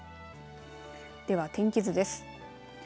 では天気図です。